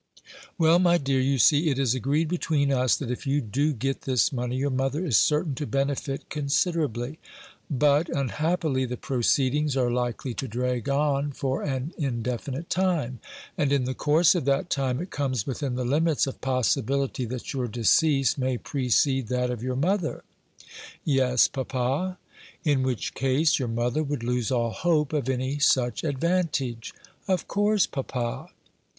"Well, my dear, you see it is agreed between us that if you do get this money, your mother is certain to benefit considerably. But unhappily the proceedings are likely to drag on for an indefinite time; and in the course of that time it comes within the limits of possibility that your decease may precede that of your mother." "Yes, papa." "In which case your mother would lose all hope of any such advantage." "Of course, papa."